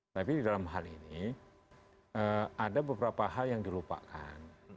tapi di dalam hal ini ada beberapa hal yang dilupakan